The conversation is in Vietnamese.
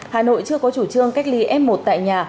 hà nội chưa có chủ trương cách ly f một tại nhà